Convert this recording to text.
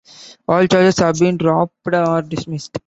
All charges have been dropped or dismissed.